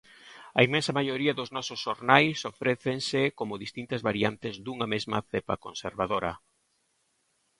A inmensa maioría dos nosos xornais ofrécense como distintas variantes dunha mesma cepa conservadora.